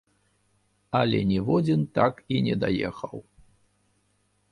Але ніводзін так і не даехаў.